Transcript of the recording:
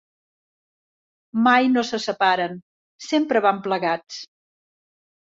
Mai no se separen: sempre van plegats.